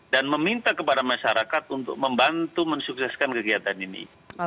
dan meminta kepada masyarakat untuk membantu mensukseskan kegiatan ini